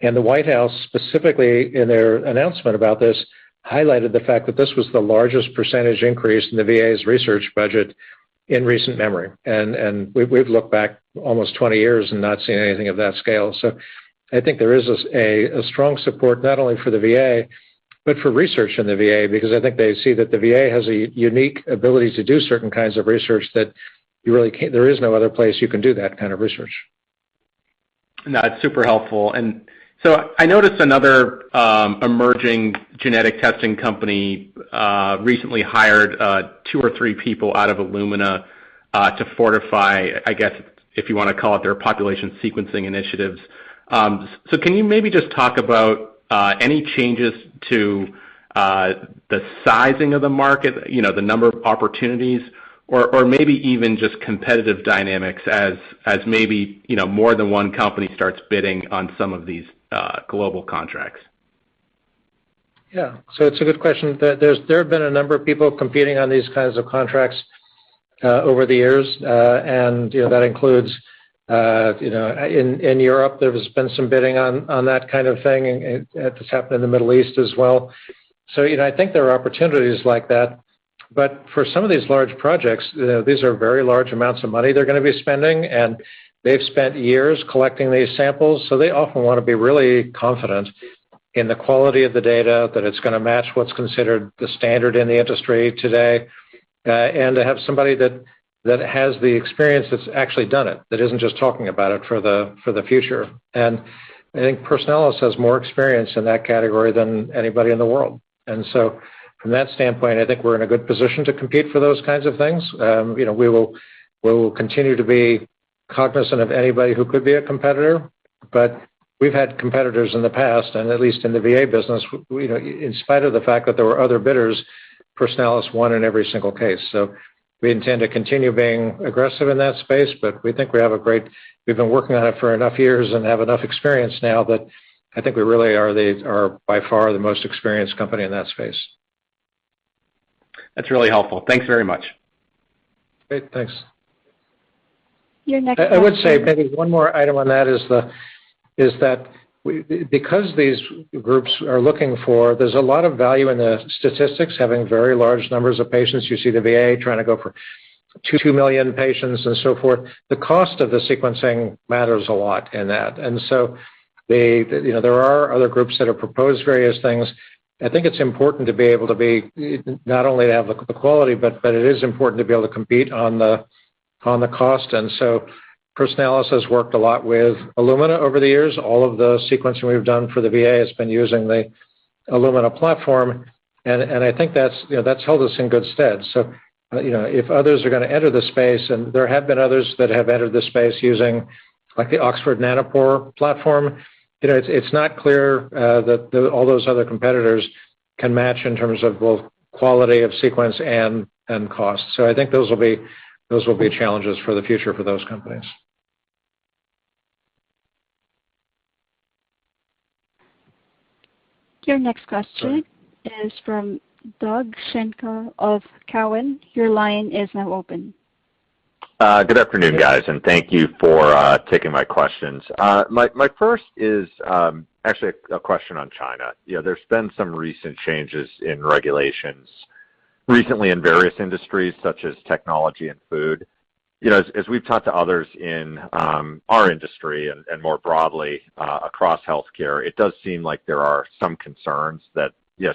and the White House specifically in their announcement about this, highlighted the fact that this was the largest percentage increase in the VA's research budget in recent memory. We've looked back almost 20 years and not seen anything of that scale. I think there is a strong support, not only for the VA, but for research in the VA, because I think they see that the VA has a unique ability to do certain kinds of research that there is no other place you can do that kind of research. No, it's super helpful. I noticed another emerging genetic testing company recently hired two or three people out of Illumina, to fortify, I guess, if you want to call it, their population sequencing initiatives. Can you maybe just talk about any changes to the sizing of the market, the number of opportunities, or maybe even just competitive dynamics as maybe more than one company starts bidding on some of these global contracts? Yeah. It's a good question. There have been a number of people competing on these kinds of contracts over the years. That includes, in Europe, there's been some bidding on that kind of thing, it's happened in the Middle East as well. I think there are opportunities like that, but for some of these large projects, these are very large amounts of money they're going to be spending, and they've spent years collecting these samples, so they often want to be really confident in the quality of the data, that it's going to match what's considered the standard in the industry today. To have somebody that has the experience that's actually done it, that isn't just talking about it for the future. I think Personalis has more experience in that category than anybody in the world. From that standpoint, I think we're in a good position to compete for those kinds of things. We will continue to be cognizant of anybody who could be a competitor, but we've had competitors in the past, and at least in the VA business, in spite of the fact that there were other bidders, Personalis won in every single case. We intend to continue being aggressive in that space, but we think we've been working on it for enough years and have enough experience now that I think we really are by far the most experienced company in that space. That's really helpful. Thanks very much. Great. Thanks. Your next question. I would say maybe one more item on that is that because these groups are looking for. There's a lot of value in the statistics, having very large numbers of patients. You see the VA trying to go for 2 million patients and so forth. The cost of the sequencing matters a lot in that. There are other groups that have proposed various things. I think it's important to be able to be, not only to have the quality, but it is important to be able to compete on the cost. Personalis has worked a lot with Illumina over the years. All of the sequencing we've done for the VA has been using the Illumina platform, and I think that's held us in good stead. If others are going to enter the space, and there have been others that have entered the space using like the Oxford Nanopore platform, it's not clear that all those other competitors can match in terms of both quality of sequence and cost. I think those will be challenges for the future for those companies. Your next question. Sorry. Is from Doug Schenkel of Cowen. Your line is now open. Good afternoon, guys, and thank you for taking my questions. My first is actually a question on China. There's been some recent changes in regulations, recently in various industries such as technology and food. As we've talked to others in our industry and more broadly across healthcare, it does seem like there are some concerns that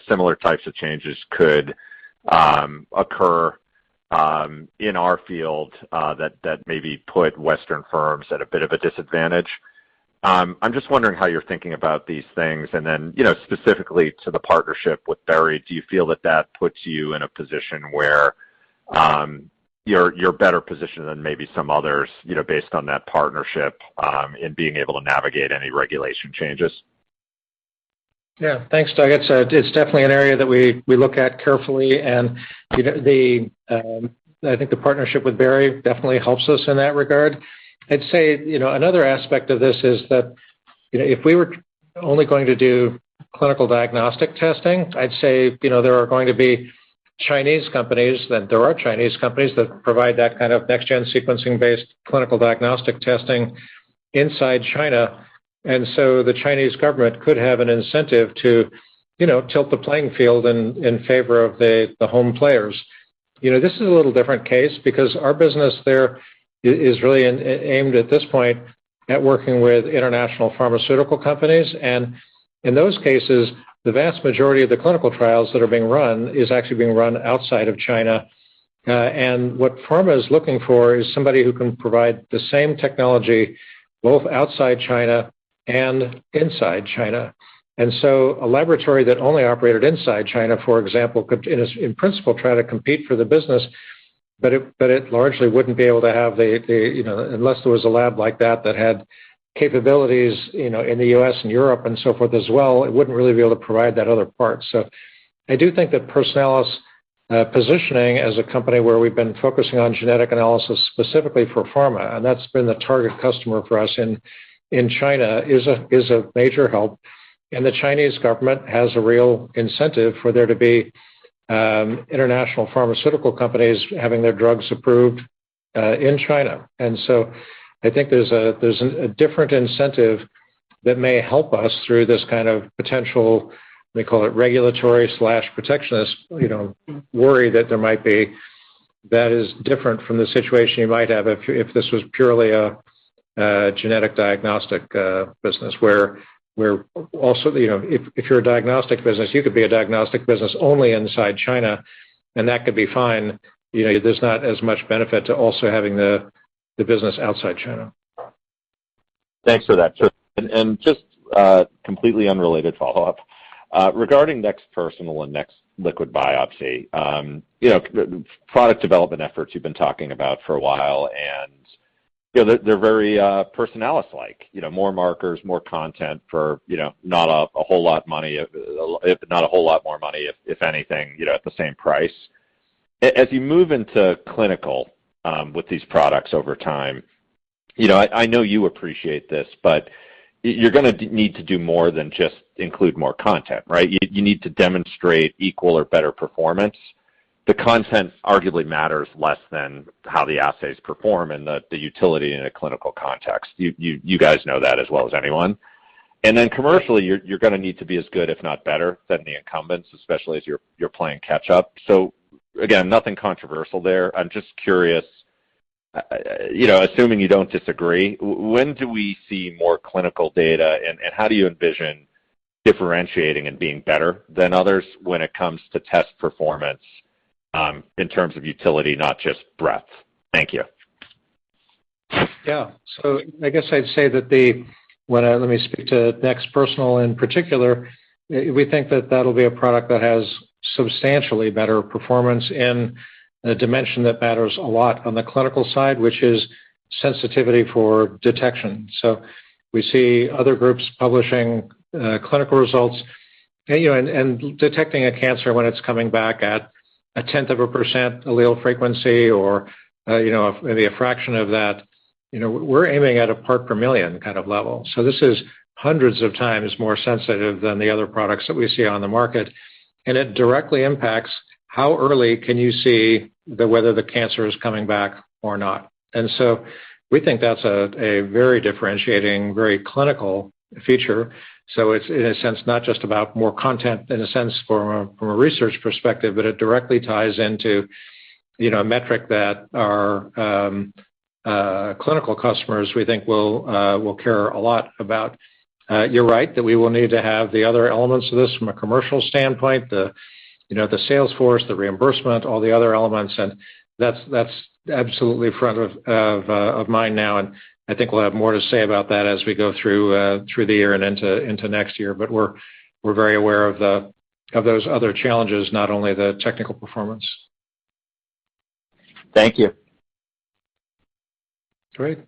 similar types of changes could occur in our field, that maybe put Western firms at a bit of a disadvantage. I'm just wondering how you're thinking about these things and then, specifically to the partnership with Berry, do you feel that that puts you in a position where you're better positioned than maybe some others, based on that partnership, in being able to navigate any regulation changes? Thanks, Doug. It's definitely an area that we look at carefully. I think the partnership with Berry definitely helps us in that regard. I'd say, another aspect of this is that if we were only going to do clinical diagnostic testing, I'd say there are going to be Chinese companies, that there are Chinese companies that provide that kind of next-gen sequencing-based clinical diagnostic testing inside China. The Chinese government could have an incentive to tilt the playing field in favor of the home players. This is a little different case because our business there is really aimed, at this point, at working with international pharmaceutical companies. In those cases, the vast majority of the clinical trials that are being run is actually being run outside of China. What pharma is looking for is somebody who can provide the same technology, both outside China and inside China. A laboratory that only operated inside China, for example, could, in principle, try to compete for the business, but it largely wouldn't be able to have the unless there was a lab like that that had capabilities in the U.S. and Europe and so forth as well, it wouldn't really be able to provide that other part. I do think that Personalis' positioning as a company where we've been focusing on genetic analysis specifically for pharma, and that's been the target customer for us in China, is a major help. The Chinese government has a real incentive for there to be international pharmaceutical companies having their drugs approved in China. I think there's a different incentive that may help us through this kind of potential, we call it regulatory/protectionist worry that there might be, that is different from the situation you might have if this was purely a genetic diagnostic business, where also, if you're a diagnostic business, you could be a diagnostic business only inside China, and that could be fine. There's not as much benefit to also having the business outside China. Thanks for that. Just a completely unrelated follow-up, regarding NeXT Personal and NeXT liquid biopsy, product development efforts you've been talking about for a while, and they're very Personalis-like. More markers, more content for not a whole lot more money, if anything, at the same price. As you move into clinical with these products over time, I know you appreciate this, you're going to need to do more than just include more content, right? You need to demonstrate equal or better performance. The content arguably matters less than how the assays perform and the utility in a clinical context. You guys know that as well as anyone. Then commercially, you're going to need to be as good, if not better, than the incumbents, especially as you're playing catch-up. Again, nothing controversial there. I'm just curious, assuming you don't disagree, when do we see more clinical data, and how do you envision differentiating and being better than others when it comes to test performance, in terms of utility, not just breadth? Thank you. Yeah. I guess I'd say that the-- Let me speak to NeXT Personal in particular. We think that that'll be a product that has substantially better performance in a dimension that matters a lot on the clinical side, which is sensitivity for detection. We see other groups publishing clinical results and detecting a cancer when it's coming back at a 0.1% allele frequency or maybe a fraction of that. We're aiming at a one part per million kind of level. This is hundreds of times more sensitive than the other products that we see on the market. It directly impacts how early can you see whether the cancer is coming back or not. We think that's a very differentiating, very clinical feature. It's in a sense not just about more content in a sense from a research perspective, but it directly ties into a metric that our clinical customers, we think, will care a lot about. You're right, that we will need to have the other elements of this from a commercial standpoint, the sales force, the reimbursement, all the other elements, and that's absolutely front of mind now. I think we'll have more to say about that as we go through the year and into next year. We're very aware of those other challenges, not only the technical performance. Thank you. Great.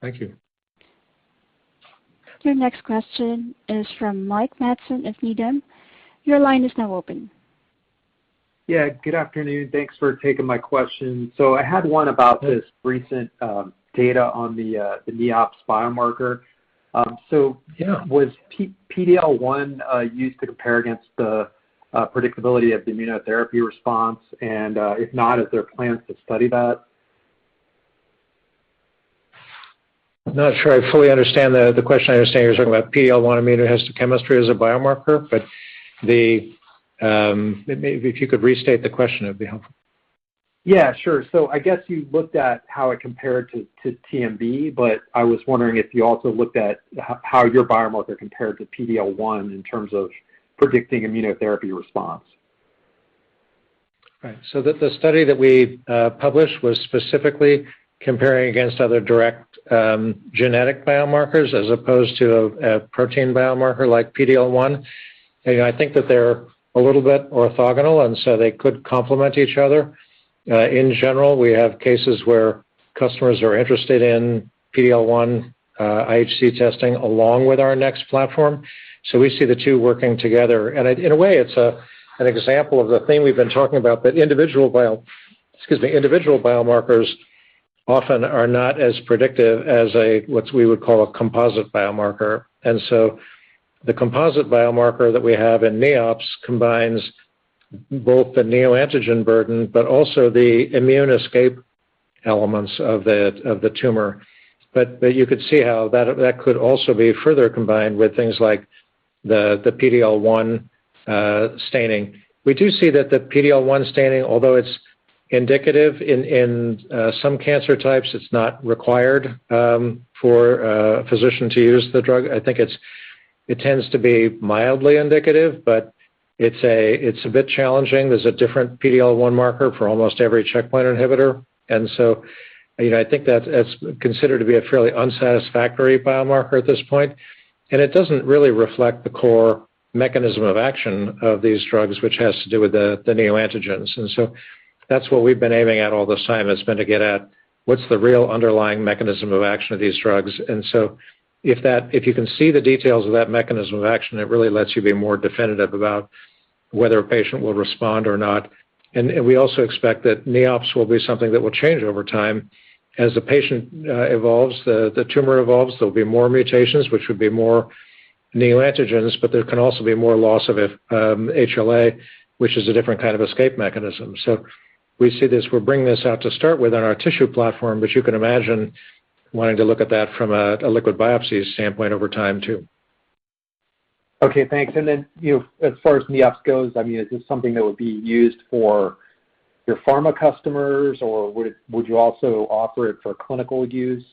Thank you. Your next question is from Mike Matson of Needham. Your line is now open. Yeah, good afternoon. Thanks for taking my question. I had one about. Yes. This recent data on the NEOPS biomarker. Yeah. Was PD-L1 used to compare against the predictability of the immunotherapy response? If not, is there plans to study that? I'm not sure I fully understand the question. I understand you're talking about PD-L1 immunohistochemistry as a biomarker, but maybe if you could restate the question, it'd be helpful. Yeah, sure. I guess you looked at how it compared to TMB, but I was wondering if you also looked at how your biomarker compared to PD-L1 in terms of predicting immunotherapy response? Right. The study that we published was specifically comparing against other direct genetic biomarkers as opposed to a protein biomarker like PD-L1. I think that they're a little bit orthogonal, and so they could complement each other. In general, we have cases where customers are interested in PD-L1 IHC testing along with our NeXT platform. We see the two working together. In a way, it's an example of the thing we've been talking about, that individual biomarkers often are not as predictive as what we would call a composite biomarker. The composite biomarker that we have in NEOPS combines both the neoantigen burden, but also the immune escape elements of the tumor. You could see how that could also be further combined with things like the PD-L1 staining. We do see that the PD-L1 staining, although it's indicative in some cancer types, it's not required for a physician to use the drug. I think it tends to be mildly indicative, but it's a bit challenging. There's a different PD-L1 marker for almost every checkpoint inhibitor. I think that's considered to be a fairly unsatisfactory biomarker at this point, and it doesn't really reflect the core mechanism of action of these drugs, which has to do with the neoantigens. That's what we've been aiming at all this time, has been to get at what's the real underlying mechanism of action of these drugs. If you can see the details of that mechanism of action, it really lets you be more definitive about whether a patient will respond or not. We also expect that NEOPS will be something that will change over time. As the patient evolves, the tumor evolves, there'll be more mutations, which would be more neoantigens, but there can also be more loss of HLA, which is a different kind of escape mechanism. We're bringing this out to start with on our tissue platform, but you can imagine wanting to look at that from a liquid biopsy standpoint over time, too. Okay, thanks. As far as NEOPS goes, is this something that would be used for your pharma customers, or would you also offer it for clinical use?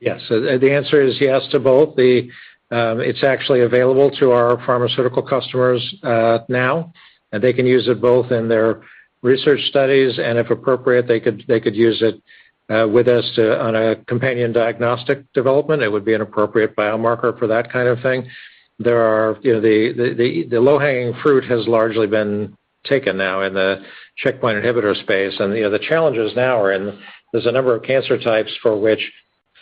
Yes. The answer is yes to both. It's actually available to our pharmaceutical customers now, and they can use it both in their research studies, and if appropriate, they could use it with us on a companion diagnostic development. It would be an appropriate biomarker for that kind of thing. The low-hanging fruit has largely been taken now in the checkpoint inhibitor space. The challenges now are in there's a number of cancer types for which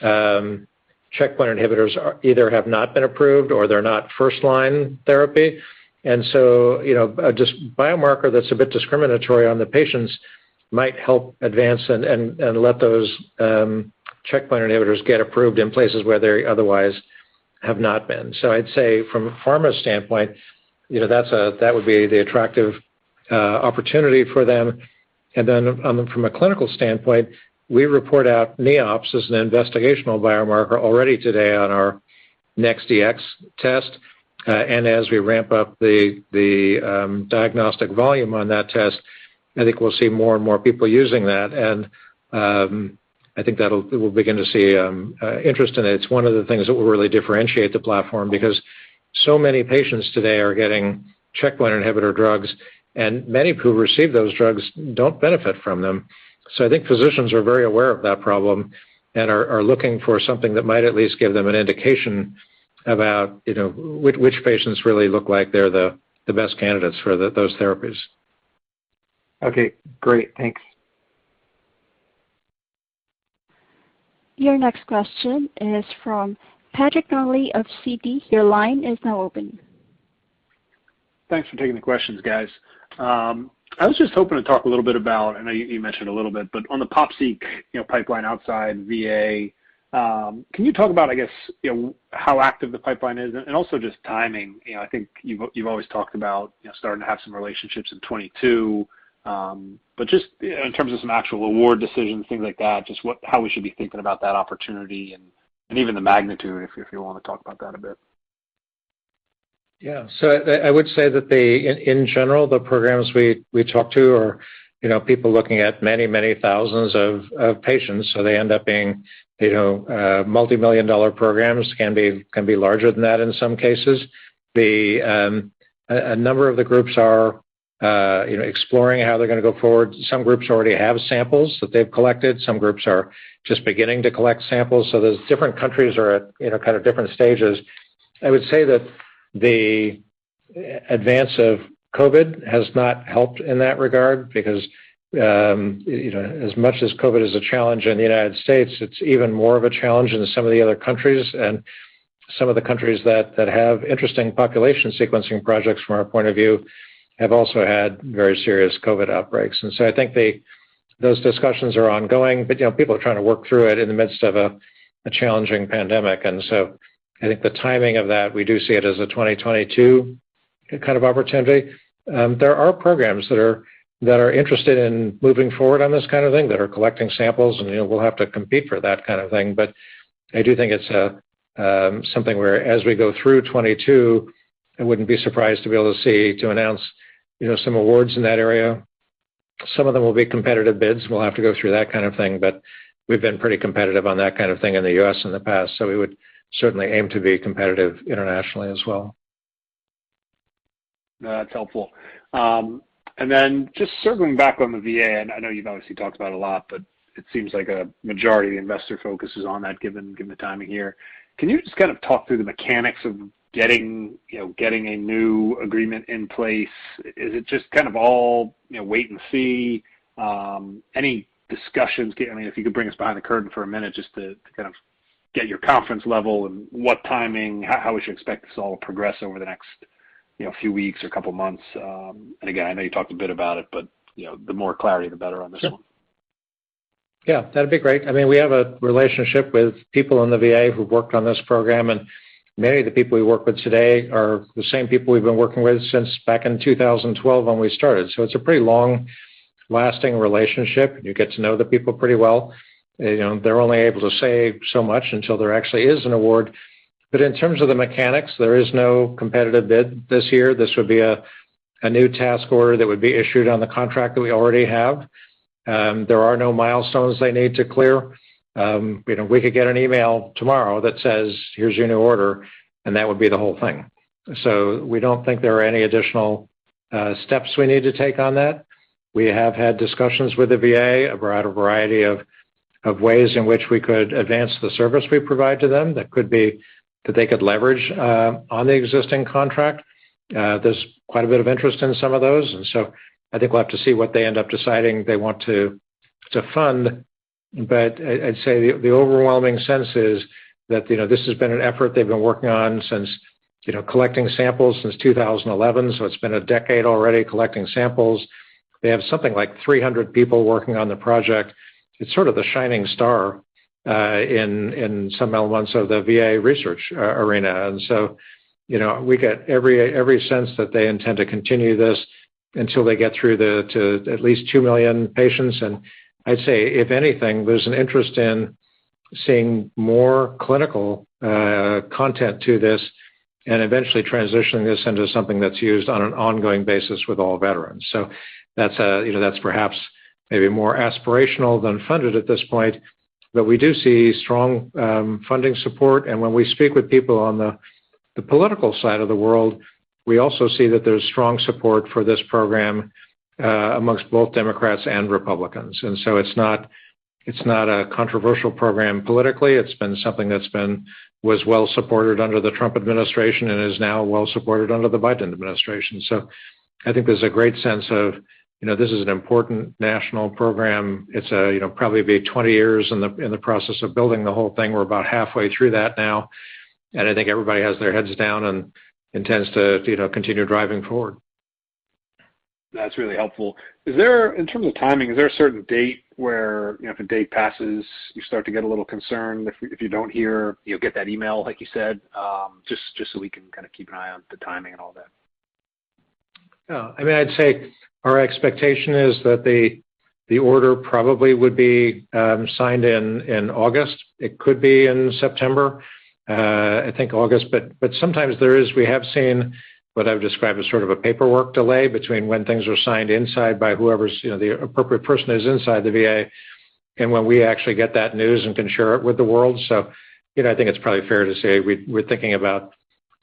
checkpoint inhibitors either have not been approved or they're not first-line therapy. Just a biomarker that's a bit discriminatory on the patients might help advance and let those checkpoint inhibitors get approved in places where they otherwise have not been. I'd say from a pharma standpoint, that would be the attractive opportunity for them. From a clinical standpoint, we report out NEOPS as an investigational biomarker already today on our NeXT Dx test. As we ramp up the diagnostic volume on that test, I think we'll see more and more people using that. I think that we'll begin to see interest in it. It's one of the things that will really differentiate the platform, because so many patients today are getting checkpoint inhibitor drugs, and many who receive those drugs don't benefit from them. I think physicians are very aware of that problem and are looking for something that might at least give them an indication about which patients really look like they're the best candidates for those therapies. Okay, great. Thanks. Your next question is from Patrick Donnelly of Citi. Your line is now open. Thanks for taking the questions, guys. I was just hoping to talk a little bit about, I know you mentioned a little bit, but on the POP-seq pipeline outside VA, can you talk about, I guess, how active the pipeline is and also just timing? I think you've always talked about starting to have some relationships in 2022. Just in terms of some actual award decisions, things like that, just how we should be thinking about that opportunity and even the magnitude, if you want to talk about that a bit. Yeah. I would say that in general, the programs we talk to are people looking at many thousands of patients. They end up being multimillion-dollar programs, can be larger than that in some cases. A number of the groups are exploring how they're going to go forward. Some groups already have samples that they've collected. Some groups are just beginning to collect samples. Those different countries are at kind of different stages. I would say that the advance of COVID has not helped in that regard because as much as COVID is a challenge in the U.S., it's even more of a challenge in some of the other countries. Some of the countries that have interesting population sequencing projects from our point of view, have also had very serious COVID outbreaks. I think those discussions are ongoing, but people are trying to work through it in the midst of a challenging pandemic. I think the timing of that, we do see it as a 2022 kind of opportunity. There are programs that are interested in moving forward on this kind of thing, that are collecting samples, and we'll have to compete for that kind of thing. I do think it's something where as we go through 2022, I wouldn't be surprised to be able to see, to announce some awards in that area. Some of them will be competitive bids. We'll have to go through that kind of thing, but we've been pretty competitive on that kind of thing in the U.S. in the past, so we would certainly aim to be competitive internationally as well. That's helpful. Then just circling back on the VA, and I know you've obviously talked about a lot, but it seems like a majority of investor focus is on that, given the timing here. Can you just kind of talk through the mechanics of getting a new agreement in place? Is it just kind of all wait and see? Any discussions, I mean, if you could bring us behind the curtain for a minute just to kind of get your confidence level and what timing, how we should expect this all to progress over the next few weeks or couple of months. Again, I know you talked a bit about it, but the more clarity, the better on this one. Sure. Yeah, that'd be great. I mean, we have a relationship with people in the VA who've worked on this program, and many of the people we work with today are the same people we've been working with since back in 2012 when we started. It's a pretty long-lasting relationship. You get to know the people pretty well. They're only able to say so much until there actually is an award. In terms of the mechanics, there is no competitive bid this year. This would be a new task order that would be issued on the contract that we already have. There are no milestones they need to clear. We could get an email tomorrow that says, "Here's your new order," and that would be the whole thing. We don't think there are any additional steps we need to take on that. We have had discussions with the VA about a variety of ways in which we could advance the service we provide to them that they could leverage on the existing contract. There's quite a bit of interest in some of those, I think we'll have to see what they end up deciding they want to fund. I'd say the overwhelming sense is that this has been an effort they've been working on since collecting samples since 2011. It's been a decade already collecting samples. They have something like 300 people working on the project. It's sort of the shining star in some elements of the VA research arena. We get every sense that they intend to continue this until they get through to at least 2 million patients. I'd say, if anything, there's an interest in seeing more clinical content to this and eventually transitioning this into something that's used on an ongoing basis with all veterans. That's perhaps maybe more aspirational than funded at this point, but we do see strong funding support. When we speak with people on the political side of the world, we also see that there's strong support for this program amongst both Democrats and Republicans. It's not a controversial program politically. It's been something that was well-supported under the Trump administration and is now well-supported under the Biden administration. I think there's a great sense of this is an important national program. It's probably be 20 years in the process of building the whole thing. We're about halfway through that now, and I think everybody has their heads down and intends to continue driving forward. That's really helpful. In terms of timing, is there a certain date where if a date passes, you start to get a little concerned if you don't hear, you'll get that email, like you said? Just so we can kind of keep an eye on the timing and all that. I mean, I'd say our expectation is that the order probably would be signed in August. It could be in September. I think August, but sometimes we have seen what I've described as sort of a paperwork delay between when things are signed inside by whoever's the appropriate person is inside the VA, and when we actually get that news and can share it with the world. I think it's probably fair to say we're thinking about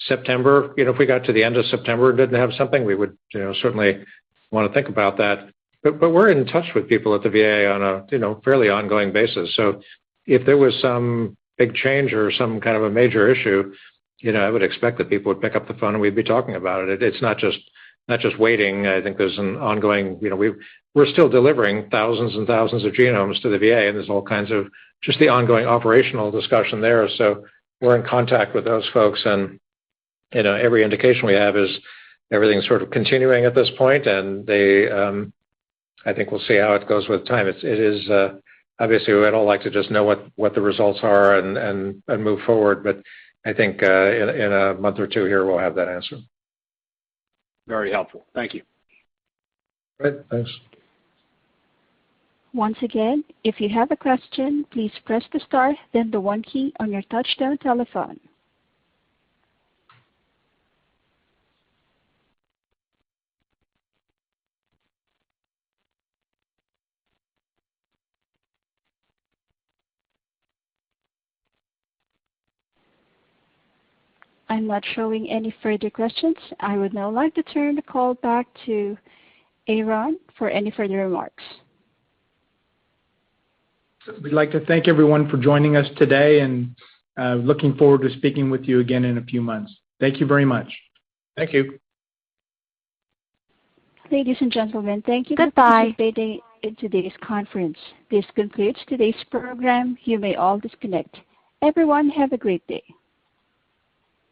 September. If we got to the end of September and didn't have something, we would certainly want to think about that. We're in touch with people at the VA on a fairly ongoing basis. If there was some big change or some kind of a major issue, I would expect that people would pick up the phone, and we'd be talking about it. It's not just waiting. We're still delivering thousands and thousands of genomes to the VA, and there's all kinds of just the ongoing operational discussion there. We're in contact with those folks, and every indication we have is everything's sort of continuing at this point, and I think we'll see how it goes with time. Obviously, we'd all like to just know what the results are and move forward. I think in one month or two here, we'll have that answer. Very helpful. Thank you. Great. Thanks. Once again, if you have a question, please press the star, then the one key on your touchtone telephone. I'm not showing any further questions. I would now like to turn the call back to Aaron for any further remarks. We'd like to thank everyone for joining us today, and looking forward to speaking with you again in a few months. Thank you very much. Thank you. Ladies and gentlemen, thank you for participating in today's conference. This concludes today's program. You may all disconnect. Everyone have a great day.